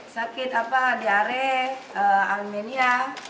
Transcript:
sakit diare almenia